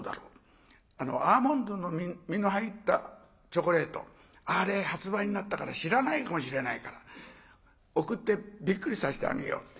アーモンドの実の入ったチョコレートあれ発売になったから知らないかもしれないから贈ってびっくりさせてあげようって。